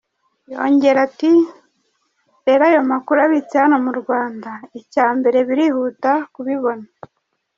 Yongeye ati “Rero ayo makuru abitse hano mu Rwanda, icyambere birihuta kubibona.